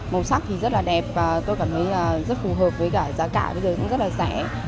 màu sắc thì rất là đẹp và tôi cảm thấy là rất phù hợp với cả giá cả bây giờ cũng rất là rẻ